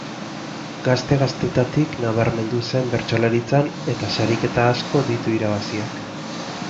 Gazte gaztetatik nabarmendu zen bertsolaritzan eta sariketa asko ditu irabaziak.